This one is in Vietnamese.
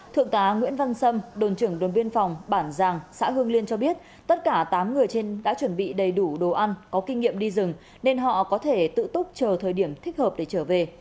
thượng tá nguyễn văn sâm đồn trưởng đồn biên phòng bản giàng xã hương liên cho biết tất cả tám người trên đã chuẩn bị đầy đủ đồ ăn có kinh nghiệm đi rừng nên họ có thể tự túc chờ thời điểm thích hợp để trở về